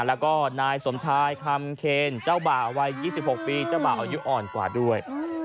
แล้วก็นายสมชายคำเคนเจ้าบ่าววัย๒๖ปีเจ้าบ่าวอายุอ่อนกว่าด้วย